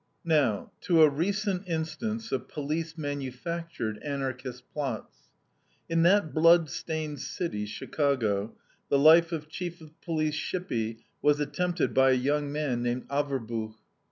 Now, to a recent instance of police manufactured Anarchist plots. In that bloodstained city, Chicago, the life of Chief of Police Shippy was attempted by a young man named Averbuch.